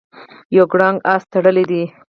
یو کرنګ آس تړلی دی.